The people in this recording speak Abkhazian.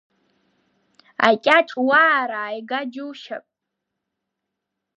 Акьаҿ уаара ааига џьушьап!